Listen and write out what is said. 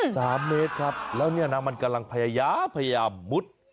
สามเมตรครับแล้วเนี่ยนะมันกำลังพยายามพยายามมุด